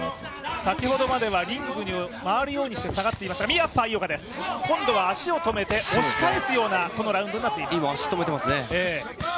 先ほどまではリングを回るようにして下がっていましたが、今度は足を止めて押し返すようなラウンドになっています。